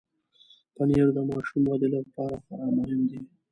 پنېر د ماشوم ودې لپاره خورا مهم دی.